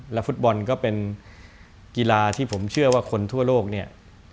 ฟุตบอลก็เป็นกีฬาที่ผมเชื่อว่าคนทั่วโลกเนี่ย